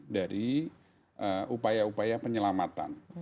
dari upaya upaya penyelamatan